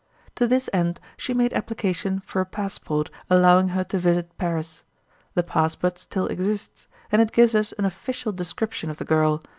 To this end she made application for a passport allowing her to visit Paris. This passport still exists, and it gives us an official description of the girl.